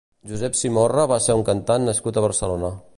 Josep Simorra va ser un cantant nascut a Barcelona.